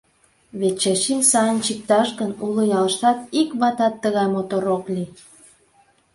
Вет Чачим сайын чикташ гын, уло ялыштат ик ватат тыгай мотор ок лий?